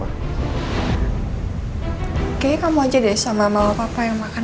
kayaknya kamu aja deh sama mama papa yang makan